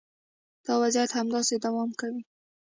دا وضعیت همداسې دوام کوي